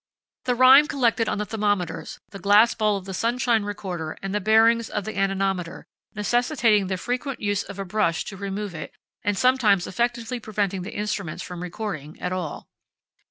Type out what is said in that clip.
The rime collected on the thermometers, the glass bowl of the sunshine recorder, and the bearings of the anemometer, necessitating the frequent use of a brush to remove it, and sometimes effectively preventing the instruments from recording at all.